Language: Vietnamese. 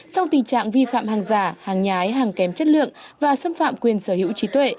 sau tình trạng vi phạm hàng giả hàng nhái hàng kém chất lượng và xâm phạm quyền sở hữu trí tuệ